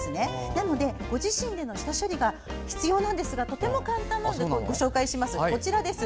なので、ご自身で下処理が必要なんですがとても簡単なのでご紹介します。